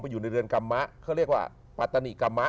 อยู่ในเรือนกรรมะเขาเรียกว่าปัตตานีกรรมะ